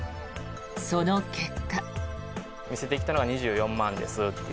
その結果。